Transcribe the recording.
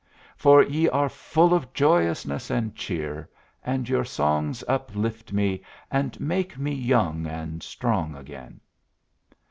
For ye are full of joyousness and cheer, and your songs uplift me and make me young and strong again.